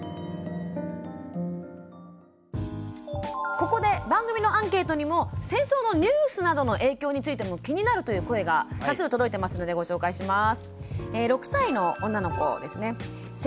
ここで番組のアンケートにも戦争のニュースなどの影響についても気になるという声が多数届いてますのでご紹介します。